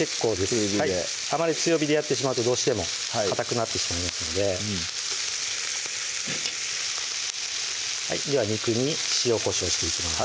中火であまり強火でやってしまうとどうしてもかたくなってしまいますのででは肉に塩・こしょうしていきます